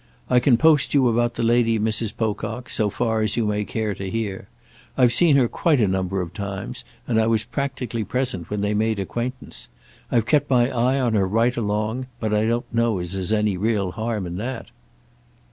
"I can post you about the lady, Mrs. Pocock, so far as you may care to hear. I've seen her quite a number of times, and I was practically present when they made acquaintance. I've kept my eye on her right along, but I don't know as there's any real harm in her."